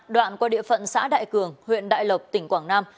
đoạn qua địa phận xã đại cường huyện đại lộc tỉnh quảng nam